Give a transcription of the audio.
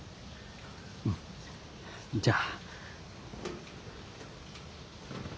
うんじゃあ。